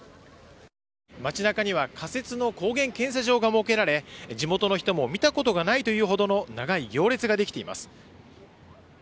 街中には仮設の抗原検査場が設けられ地元の人も見たことがないというほどの長い行列ができています。